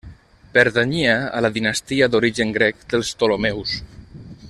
Pertanyia a la dinastia d'origen grec dels Ptolemeus.